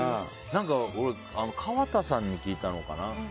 俺、川田さんに聞いたのかな。